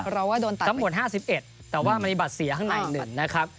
ทั้งหมด๕๑แต่ว่ามันมีบัตรเสียข้างในหนึ่งนะครับ